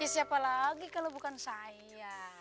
siapa lagi kalau bukan saya